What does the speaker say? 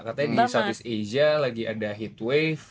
katanya di southeast asia lagi ada heatwave